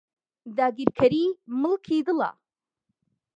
داگیرکەری ملکی دڵە